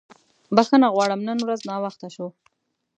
بښنه غواړم نن ورځ ناوخته شو.